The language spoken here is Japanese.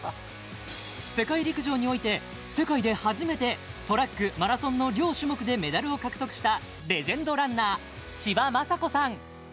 世界陸上において世界で初めてトラックマラソンの両種目でメダルを獲得したレジェンドランナー千葉真子さん